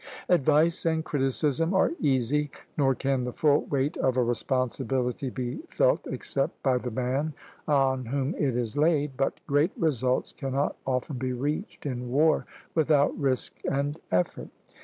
Advice and criticism are easy, nor can the full weight of a responsibility be felt, except by the man on whom it is laid; but great results cannot often be reached in war without risk and effort.